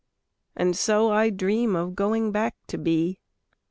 And so I dream of going back to be.